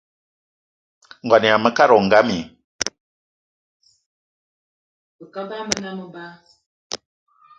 Ngo yama mekad wo ngam i?